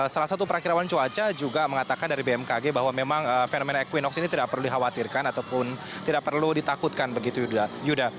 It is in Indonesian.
salah satu perakirawan cuaca juga mengatakan dari bmkg bahwa memang fenomena equinox ini tidak perlu dikhawatirkan ataupun tidak perlu ditakutkan begitu yuda